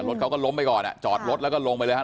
รถเขาก็ล้มไปก่อนอ่ะจอดรถแล้วก็ลงไปเลยครับ